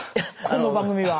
この番組は。